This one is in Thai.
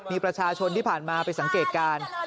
มีประชาชนที่ผ่านมาไปสังเกตการณ์